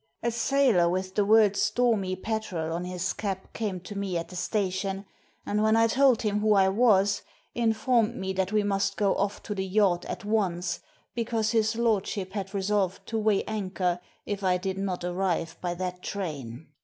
A sailor with the words * Stormy Petrel ' on his cap came to me at the station, and, when I told him who I was, informed me that we must go off to the yacht at once, because his lordship had resolved to weigh anchor if I did not arrive by that train.